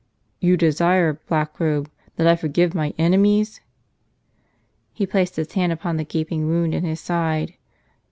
"You desire, Blackrobe, that I forgive my enemies?" He placed his hand upon the gaping wound in his side.